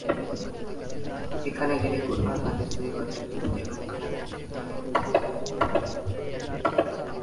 এখানেই তিনি "কুরআন", হাদিস, সুফিবাদ, যুক্তিবিদ্যা এবং ইসলামি আইনশাস্ত্র নিয়ে অধ্যয়ন করেন।